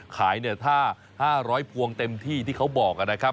ขายเนี่ยถ้า๕๐๐พวงเต็มที่ที่เขาบอกนะครับ